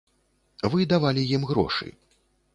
Вы давалі ім грошы.